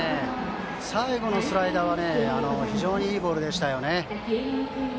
最後のスライダーは非常にいいボールでしたね。